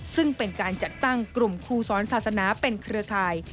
ซึ่งเป็นการจัดตั้งกลุ่มครูสอนศาสนาเป็นเครือข่าย